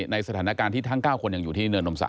ในสถานการณ์ที่ทั้ง๙คนยังอยู่ที่เนินนมศัก